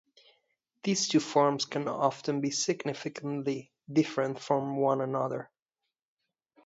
These two forms can often be significantly different from one another.